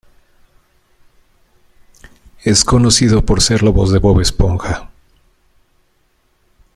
Es conocido por ser la voz de Bob Esponja.